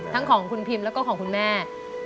ทั้งของคุณพิมและของคุณแม่